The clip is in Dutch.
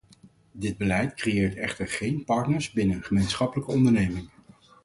Dit beleid creëert echter geen partners binnen een gemeenschappelijke onderneming.